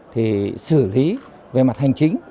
thì xử lý về mặt hành chính